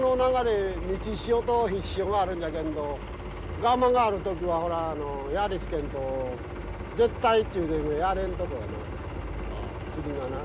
満ち潮と引き潮があるんじゃけんどがまがある時はやりつけんと絶対っちゅうてやれんとこやな釣りがな。